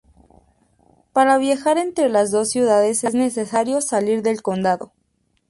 Para viajar entre las dos ciudades es necesario salir del condado.